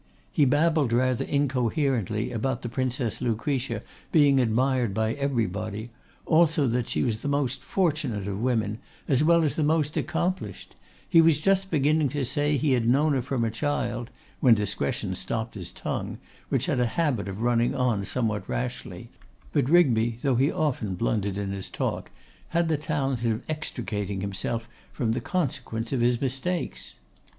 He babbled rather incoherently about the Princess Lucretia being admired by everybody; also that she was the most fortunate of women, as well as the most accomplished; he was just beginning to say he had known her from a child, when discretion stopped his tongue, which had a habit of running on somewhat rashly; but Rigby, though he often blundered in his talk, had the talent of extricating himself from the consequence of his mistakes.